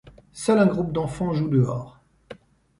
Seul un groupe d'enfants joue dehors.